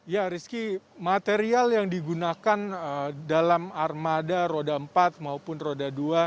ya rizky material yang digunakan dalam armada roda empat maupun roda dua